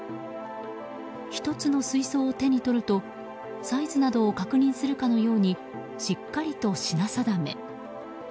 １つの水槽を手に取るとサイズなどを確認するかのようにしっかりと品定め。